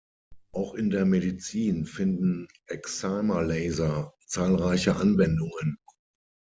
Auch in der Medizin finden Excimerlaser zahlreiche Anwendungen.